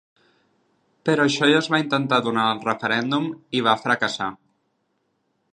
Però això ja es va intentar durant el referèndum i va fracassar.